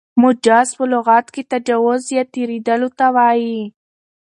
مجاز په لغت کښي تجاوز یا تېرېدلو ته وايي.